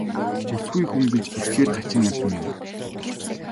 Бүсгүй хүн гэж этгээд хачин амьтан юм.